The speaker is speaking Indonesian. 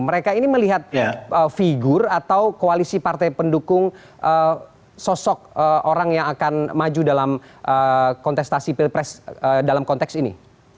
mereka ini melihat figur atau koalisi partai pendukung sosok orang yang akan maju dalam kontestasi pilpres dalam konteks ini